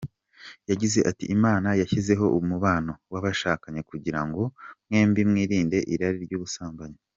Yagize ati “ Imana yashyizeho umubano w’abashakanye kugira ngo mwembi mwirinde irari ry’ubusambanyi.